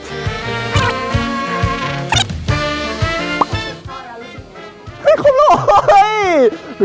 เฮ้ยคุณโรย